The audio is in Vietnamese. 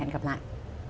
hẹn gặp lại